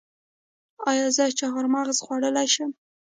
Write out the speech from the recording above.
ایا زه چهارمغز خوړلی شم؟